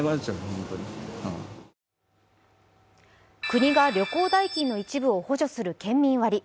国が旅行代金の一部を補助する県民割。